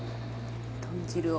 豚汁を。